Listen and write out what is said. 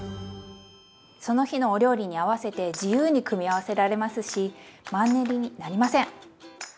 その日のお料理に合わせて自由に組み合わせられますしマンネリになりません！